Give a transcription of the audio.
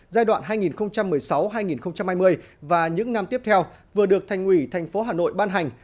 giai đoạn hai nghìn một mươi sáu hai nghìn hai mươi và những năm tiếp theo vừa được thành ủy thành phố hà nội ban hành